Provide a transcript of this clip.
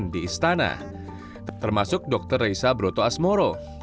di istana termasuk dr raisa broto asmoro